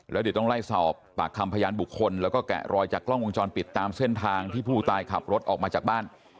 แล้วเดี๋ยวต้องไล่สอบปากคำพยานบุคคลแล้วก็แกะรอยจากกล้องวงจรปิดตามเส้นทางที่ผู้ตายขับรถออกมาจากบ้าน